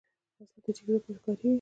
وسله د جګړې لپاره کارېږي